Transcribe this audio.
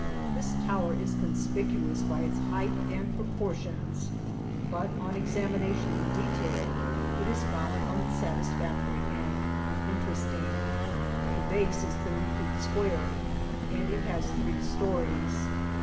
This tower is conspicuous by its height and proportions, but on examination in detail it is found unsatisfactory and uninteresting. The base is thirty feet square, and it has three stories.